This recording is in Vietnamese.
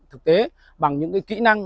thực tế bằng những kỹ năng